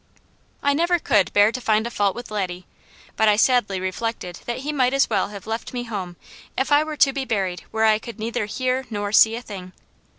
I never could bear to find a fault with Laddie, but I sadly reflected that he might as well have left me at home, if I were to be buried where I could neither hear nor see a thing.